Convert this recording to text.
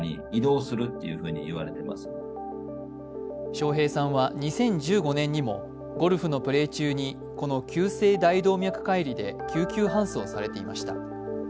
笑瓶さんは２０１５年にもゴルフのプレー中にこの急性大動脈解離で救急搬送されていました。